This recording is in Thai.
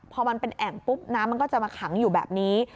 พอมันเป็นแอ่งปุ๊บน้ำมันก็จะมาขังอยู่แบบนี้